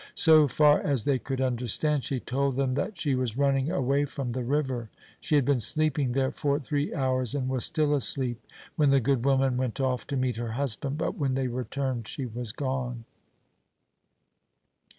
So far as they could understand, she told them that she was running away from the river. She had been sleeping there for three hours, and was still asleep when the good woman went off to meet her husband; but when they returned she was gone.